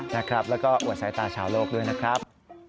นะครับแล้วก็หัวใส่ตาเฉาโลกด้วยนะครับ